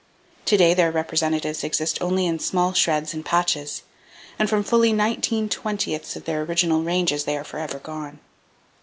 To day their representatives exist only in small shreds and patches, and from fully nineteen twentieths of their original ranges they are forever gone.